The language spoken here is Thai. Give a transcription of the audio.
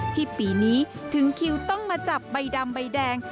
ที่ปีนี้ถึงคิวต้องมาจับใบดำใบแดง